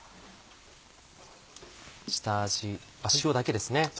下味は塩だけですね。